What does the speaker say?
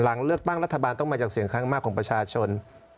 หลังเลือกตั้งรัฐบาลต้องมาจากเสียงข้างมากของประชาชน